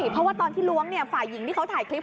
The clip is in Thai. เพราะว่าตอนที่ล้วงฝ่ายหญิงที่เขาถ่ายคลิป